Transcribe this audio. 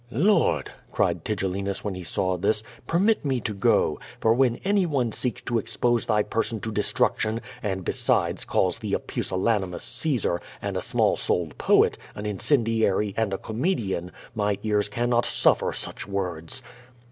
"Lord," cried Tigellinus when he saw this, "permit me to go, for when anyone seeke to expose thy person to destruc tion, and, besides, calls thee a pusillanimous Caesar, and a small souled poet, an incendiaiy, and a comedian, my ears cannot suflEer such words."